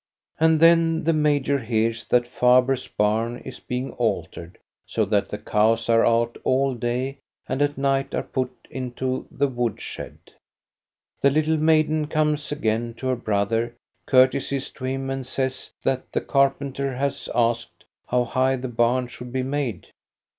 And then the major hears that Faber's barn is being altered, so that the cows are out all day and at night are put into the woodshed. The little maiden comes again to her brother, courtesies to him, and says that the carpenter had asked how high the barn should be made.